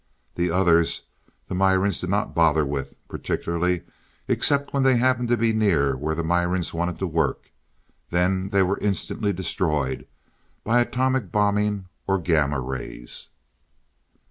The others, the Mirans did not bother with particularly except when they happened to be near where the Mirans wanted to work. Then they were instantly destroyed by atomic bombing, or gamma rays.